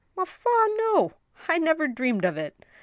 Mafoi, no I I never dreamed of it."